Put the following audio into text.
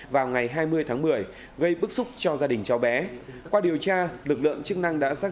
vào ngày hai mươi tháng một mươi gây bức xúc cho gia đình cháu bé qua điều tra lực lượng chức năng đã xác